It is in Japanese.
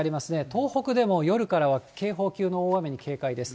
東北でも、夜からは警報級の大雨に警戒です。